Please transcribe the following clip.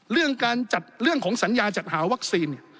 เรื่องของสัญญาจัดหาวัคซีน